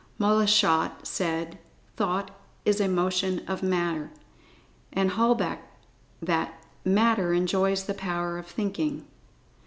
Moleschott said, "Thought is a motion of Matter"; and Holbach, that "Matter enjoys the power of thinking."